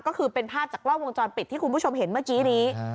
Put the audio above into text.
ก็คือเป็นภาพจากกล้องวงจรปิดที่คุณผู้ชมเห็นเมื่อกี้นี้